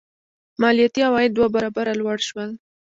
مالیاتي عواید دوه برابره لوړ شول.